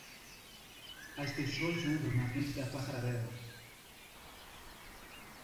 As pessoas andam na frente da passarela.